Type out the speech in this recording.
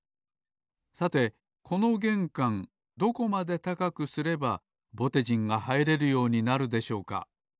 さてこのげんかんどこまで高くすればぼてじんがはいれるようになるでしょうか？